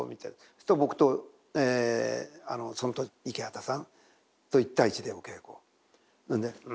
すると僕とその時池畑さんと１対１でお稽古なんで。